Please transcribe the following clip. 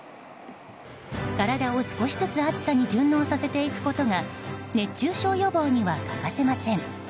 体を少しずつ暑さに順応させていくことが熱中症予防には欠かせません。